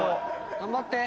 頑張って。